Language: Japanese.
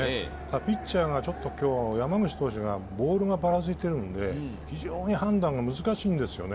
ピッチャーの山口投手がボールがばらついているので、非常に判断が難しいんですよね。